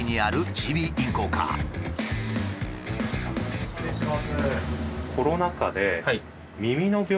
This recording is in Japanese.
失礼します。